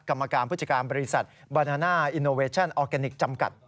กรรมการผู้จัดการบริษัทบานาน่าอินโนเวชั่นออร์แกนิคจำกัด